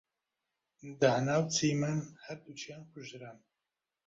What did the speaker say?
دانا و چیمەن هەردووکیان کوژران.